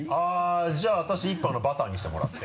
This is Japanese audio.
じゃあ私１本バターにしてもらって。